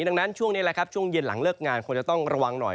ดังนั้นช่วงนี้แหละครับช่วงเย็นหลังเลิกงานคงจะต้องระวังหน่อย